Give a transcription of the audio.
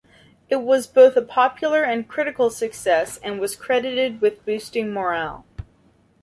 It was both a popular and critical success and was credited with boosting morale.